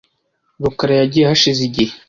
rukara yagiye hashize igihe .